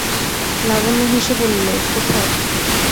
লাবণ্য হেসে বললে, কোথায়।